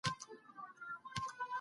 زده کوونکي یې په اسانۍ یادوي.